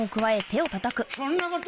そんなこと